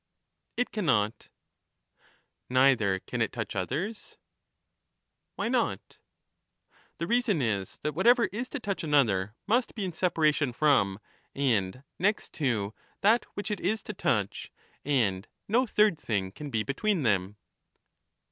It cannot. Neither can it touch others. Why not ? The reason is, that whatever is to touch another must be in separation from, and next to, that which it is to touch, and no third thing can be between them.